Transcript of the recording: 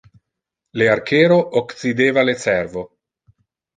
Le archero occideva le cervo.